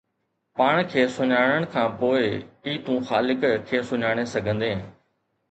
پاڻ کي سڃاڻڻ کان پوءِ ئي تون خالق کي سڃاڻي سگهندين